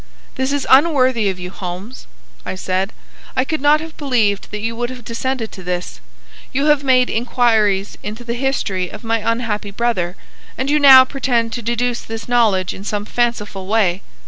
"This is unworthy of you, Holmes," I said. "I could not have believed that you would have descended to this. You have made inquires into the history of my unhappy brother, and you now pretend to deduce this knowledge in some fanciful way.